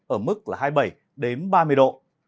ở mức là hai mươi bảy đến ba mươi độ